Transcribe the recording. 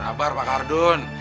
sabar pak ardun